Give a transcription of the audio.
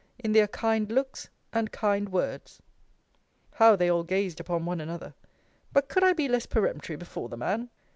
in their kind looks, and kind words. How they all gazed upon one another! But could I be less peremptory before the man?